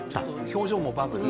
表情もバブル。